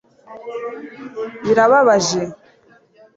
birababaje